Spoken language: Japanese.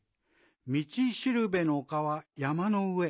みちしるべのおかはやまのうえ。